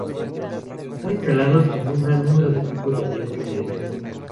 Están instalados en un gran número de tipos de aviones diferentes.